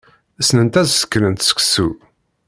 Ssnent ad sekrent seksu.